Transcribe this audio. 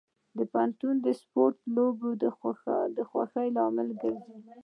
د پوهنتون سپورتي لوبې د خوښۍ لامل ګرځي.